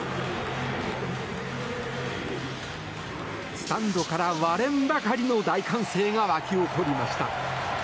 スタンドから割れんばかりの大歓声が沸き起こりました。